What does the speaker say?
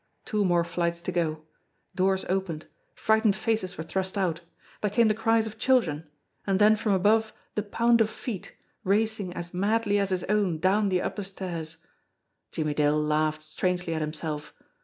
Two more flights to go ! Doors opened. Frightened faces were thrust out. There came the cries of children and then from above the pound of feet, racing as madly as his own down the upper stairs. Jimmie Dale laughed strangely to himself.